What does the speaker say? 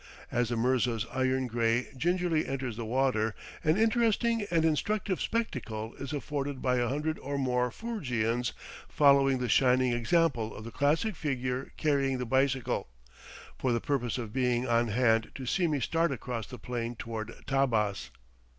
As the mirza's iron gray gingerly enters the water, an interesting and instructive spectacle is afforded by a hundred or more Foorgians following the shining example of the classic figure carrying the bicycle, for the purpose of being on hand to see me start across the plain toward Tabbas.